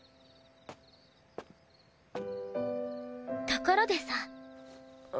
ところでさ。